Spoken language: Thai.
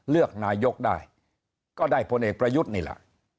เลือกนายกได้ก็ได้พลเอกประยุทธ์นี่แหละ